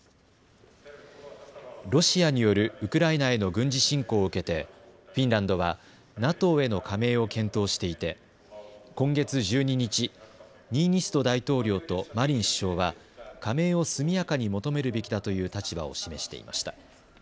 ロシアによるウクライナへの軍事侵攻を受けてフィンランドはＮＡＴＯへの加盟を検討していて今月１２日、ニーニスト大統領とマリン首相は加盟を速やかに求めるべきだという立場を示していました。